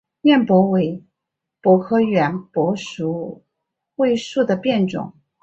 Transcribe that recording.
偃柏为柏科圆柏属桧树的变种。